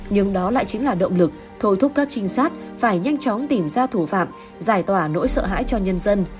nhưng đó lại chính là động lực thôi thúc các trinh sát phải nhanh chóng tìm ra thủ phạm giải tỏa nỗi sợ hãi cho nhân dân